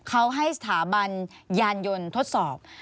เขาให้สถาบันยานยนต์ทดสอบ